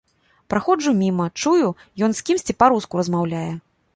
Праходжу міма, чую, ён з кімсьці па-руску размаўляе.